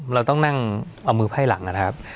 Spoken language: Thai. เราต้องนั่งเอามือไพ่หลังนะครับ